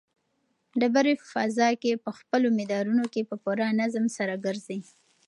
ډبرې په فضا کې په خپلو مدارونو کې په پوره نظم سره ګرځي.